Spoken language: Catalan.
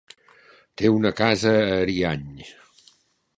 Té una casa a Ariany.